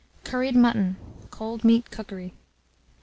CURRIED MUTTON (Cold Meat Cookery).